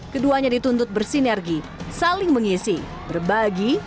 keduanya dituntut bersinergi saling mengisi berbagi